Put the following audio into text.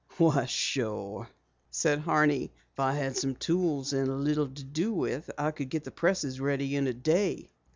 "Why, sure," said Horney. "If I had some tools and a little to do with I could get the presses ready in a day."